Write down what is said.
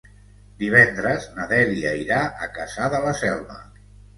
Divendres na Dèlia irà a Cassà de la Selva.